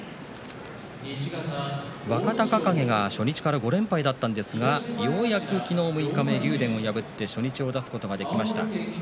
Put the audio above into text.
若隆景が初日から５連敗だったんですがようやく昨日、竜電を破って初日を出すことができました。